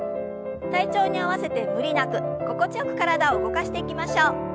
体調に合わせて無理なく心地よく体を動かしていきましょう。